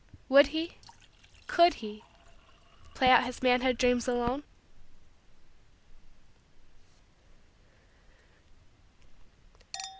Would he, could he, play out his manhood dreams alone?